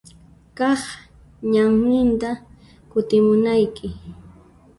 Kaq ñanninta kutimunayki.